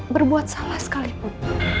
berbuat salah sekalipun